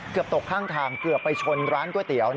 ตกข้างทางเกือบไปชนร้านก๋วยเตี๋ยว